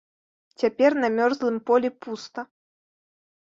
Цяпер на мёрзлым полі пуста.